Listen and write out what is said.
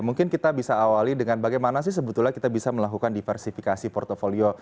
mungkin kita bisa awali dengan bagaimana sih sebetulnya kita bisa melakukan diversifikasi portfolio